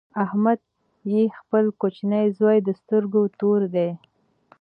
احمد ته یې خپل کوچنۍ زوی د سترګو تور دی.